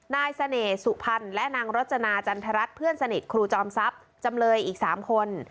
นายเสน่ห์สุพรรณและนางรจนาจันทรัฐเพื่อนสนิทครูจอมทรัพย์จำเลยอีก๓คน